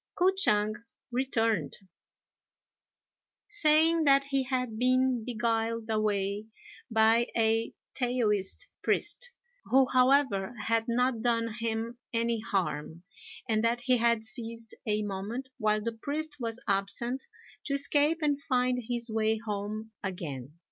K'o ch'ang returned, saying that he had been beguiled away by a Taoist priest, who, however, had not done him any harm, and that he had seized a moment while the priest was absent to escape and find his way home again.